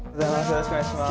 よろしくお願いします。